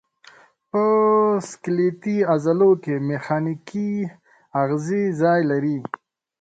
په سکلیټي عضلو کې میخانیکي آخذې ځای لري.